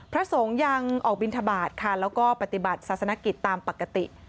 พระสงฆ์ยังออกบิณฑบาตและปฏิบัติศาสนกิจตามปกติ